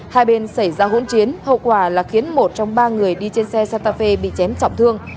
hai bên xảy ra hỗn chiến hậu quả là khiến một trong ba người đi trên xe santa fe bị chém chọc thương